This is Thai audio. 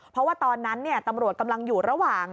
เพราะว่าตอนนั้นตำรวจกำลังอยู่ระหว่าง